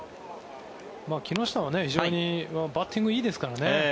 木下は非常にバッティングいいですからね。